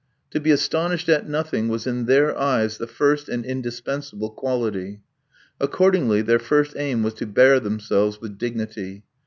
To be astonished at nothing was in their eyes the first and indispensable quality. Accordingly, their first aim was to bear themselves with dignity.